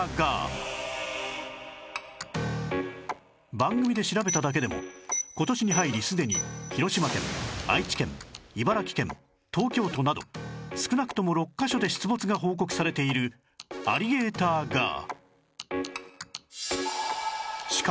番組で調べただけでも今年に入りすでに広島県愛知県茨城県東京都など少なくとも６カ所で出没が報告されているアリゲーターガー